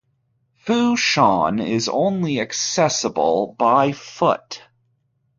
Fu Shan is only accessible by foot.